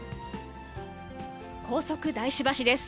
高速大師橋です。